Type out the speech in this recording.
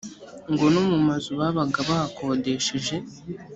ngo no mu mazu babaga bakodesheje